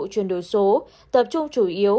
truyền đổi số tập trung chủ yếu